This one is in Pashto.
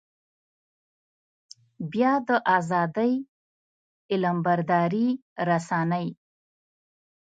بيا د ازادۍ علمبردارې رسنۍ.